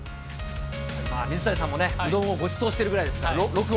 水谷さんもね、うどんをごちそうしてるぐらいですからね、６億。